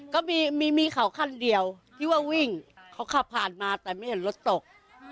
ก็มีมีเขาคันเดียวที่ว่าวิ่งเขาขับผ่านมาแต่ไม่เห็นรถตก